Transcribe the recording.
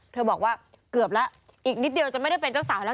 บอกว่าเกือบแล้วอีกนิดเดียวจะไม่ได้เป็นเจ้าสาวแล้ว